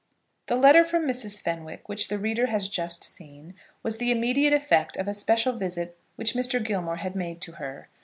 The letter from Mrs. Fenwick, which the reader has just seen, was the immediate effect of a special visit which Mr. Gilmore had made to her.